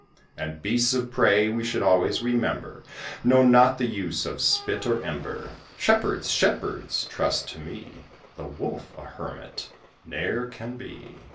And beasts of prey, we should always remember, Know not the use of spit or ember. Shepherds, shepherds! trust to me; The Wolf a hermit ne'er can be.